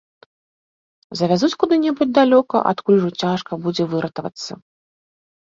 Завязуць куды-небудзь далёка, адкуль ужо цяжка будзе выратавацца.